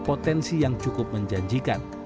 potensi yang cukup menjanjikan